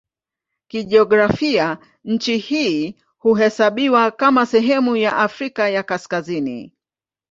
Kijiografia nchi hii huhesabiwa kama sehemu ya Afrika ya Kaskazini.